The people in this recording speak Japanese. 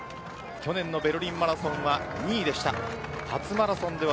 去年のベルリンマラソンは２位でした。